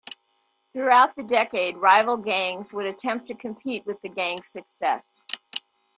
Throughout the decade, rival gangs would attempt to compete with the gang's success.